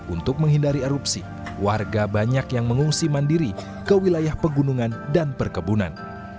untuk menghindari erupsi warga banyak yang mengungsi mandiri ke wilayah pegunungan dan perkebunan